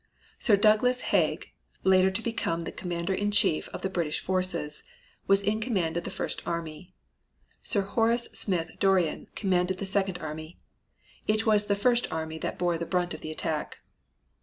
Sir Douglas Haig, later to become the commander in chief of the British forces, was in command of the first army. Sir Horace Smith Dorrien commanded the second army. It was the first army that bore the brunt of the attack.